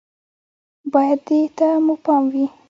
بايد دې ته مو پام وي